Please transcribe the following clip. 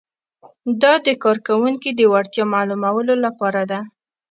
دا د کارکوونکي د وړتیا معلومولو لپاره ده.